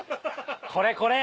これこれ！